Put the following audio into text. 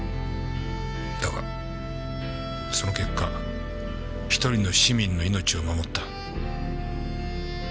だがその結果１人の市民の命を守った。